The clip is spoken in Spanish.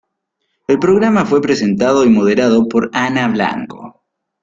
El programa fue presentado y moderado por Ana Blanco.